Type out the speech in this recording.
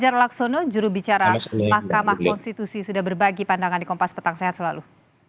fajar laksono jurubicara mahkamah konstitusi sudah berbagi pandangan di kompas petang sehat selalu